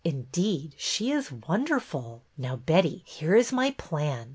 Indeed, she is wonderful. Now, Betty, here is my plan.